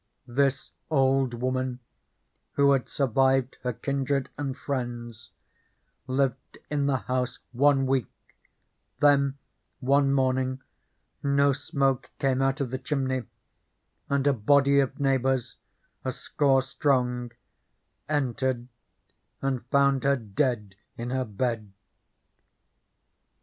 This old woman, who had survived her kindred and friends, lived in the house one week, then one morning no smoke came out of the chimney, and a body of neighbours, a score strong, entered and found her dead in her bed.